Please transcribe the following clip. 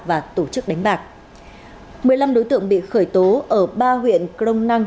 và tổ chức đánh bạc một mươi năm đối tượng bị khởi tố ở ba huyện crong năng